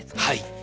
はい。